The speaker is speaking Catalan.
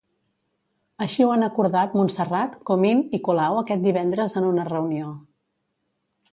Així ho han acordat Montserrat, Comín i Colau aquest divendres en una reunió.